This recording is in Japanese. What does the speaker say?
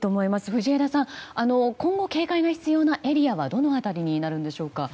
藤枝さん、今後警戒が必要なエリアはどの辺りになるんでしょうか。